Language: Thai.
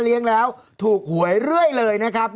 แล้วถูกหวยเรื่อยเลยนะครับ